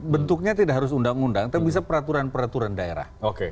bentuknya tidak harus undang undang tapi bisa peraturan peraturan daerah